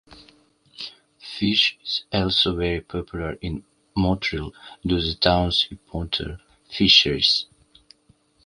Fish is also very popular in Motril, due the town's important fisheries.